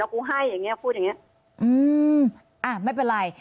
กูให้อย่างเงี้พูดอย่างเงี้ยอืมอ่ะไม่เป็นไร